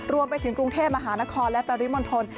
รวมไปถึงกรุงเทพมหานครและปริมณฑล